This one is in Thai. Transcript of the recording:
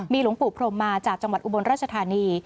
หลวงปู่พรมมาจากจังหวัดอุบลราชธานี